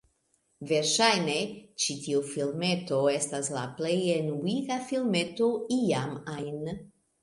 Verŝajne, ĉi tiu filmeto estas la plej enuiga filmeto iam ajn.